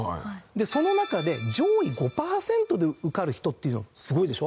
その中で上位５パーセントで受かる人っていうのすごいでしょ？